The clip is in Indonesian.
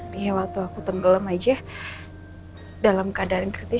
dia waktu aku tenggelam aja dalam keadaan kritis